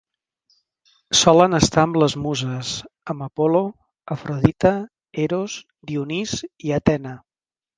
Solen estar amb les Muses, amb Apol·lo, Afrodita, Eros, Dionís i Atena.